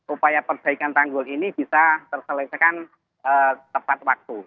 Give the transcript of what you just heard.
upaya perbaikan tanggul ini bisa terselesaikan tepat waktu